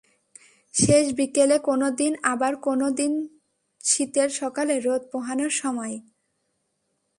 শেষ বিকেলে কোনো দিন, আবার কোনো দিন শীতের সকালে রোদ পোহানোর সময়।